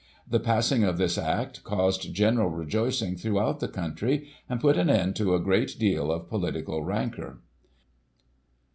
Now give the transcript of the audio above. The pass ing of this Act caused general rejoicing throught the country, and put an end to a great deal of political rancour.